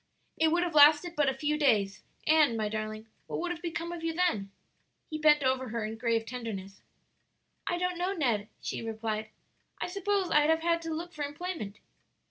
"It would have lasted but a few days, and, my darling, what would have become of you then?" He bent over her in grave tenderness. "I don't know, Ned," she replied; "I suppose I'd have had to look for employment."